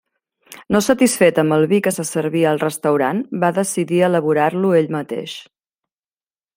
No satisfet amb el vi que se servia al restaurant, va decidir elaborar-lo ell mateix.